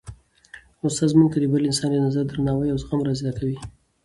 استاد موږ ته د بل انسان د نظر درناوی او زغم را زده کوي.